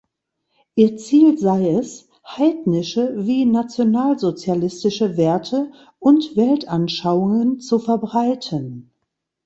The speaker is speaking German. Ihr Ziel sei es, heidnische wie nationalsozialistische Werte und Weltanschauungen zu verbreiten.